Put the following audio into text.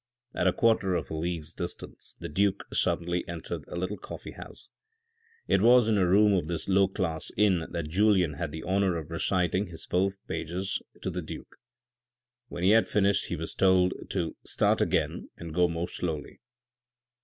At a quarter of a league's distance the duke suddenly entered a little coffee house. It was in a room of this low class inn that Julien had the honour of reciting his four pages to the duke. When he had finished he was told to "start again and go more slowly."